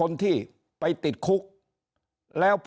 ถ้าท่านผู้ชมติดตามข่าวสาร